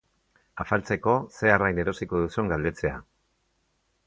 Afaltzeko ze arrain erosiko duzun galdetzea.